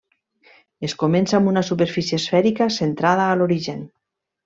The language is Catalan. Es comença amb una superfície esfèrica centrada a l'origen.